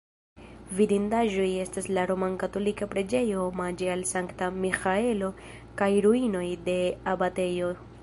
Vidindaĵoj estas la romkatolika preĝejo omaĝe al Sankta Miĥaelo kaj ruinoj de abatejo.